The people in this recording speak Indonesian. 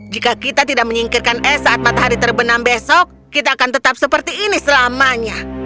jika kita tidak menyingkirkan es saat matahari terbenam besok kita akan tetap seperti ini selamanya